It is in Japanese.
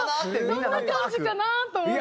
どんな感じかな？と思って。